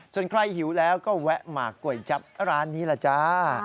ส่วนใครหิวแล้วก็แวะมาก๋วยจับร้านนี้ล่ะจ้า